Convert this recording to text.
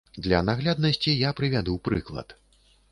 Для нагляднасці я прывяду прыклад.